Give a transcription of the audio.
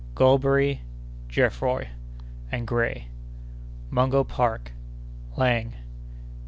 —Golberry, Geoffroy, and Gray.—Mungo Park.—Laing.